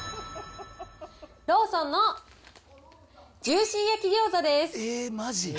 ローソンのジューシー焼餃子です。